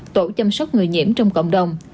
tổ chăm sóc người nhiễm trong cộng đồng